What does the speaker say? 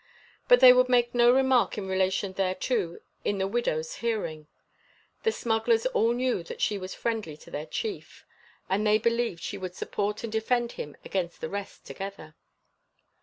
But they would make no remark in relation thereto in the widow's hearing. The smugglers all knew that she was friendly to their chief; and they believed she would support and defend him against the rest together.